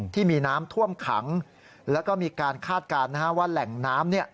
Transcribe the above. ที่มีน้ำท่วมขังแล้วก็มีการคาดการณ์ว่าแหล่งน้ำ